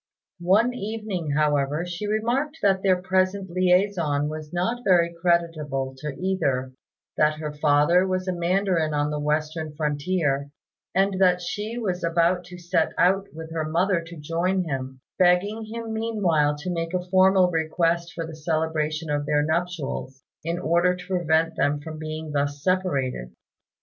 One evening, however, she remarked that their present liaison was not very creditable to either; that her father was a mandarin on the western frontier, and that she was about to set out with her mother to join him; begging him meanwhile to make a formal request for the celebration of their nuptials, in order to prevent them from being thus separated.